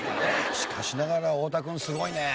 しかしながら太田君すごいね。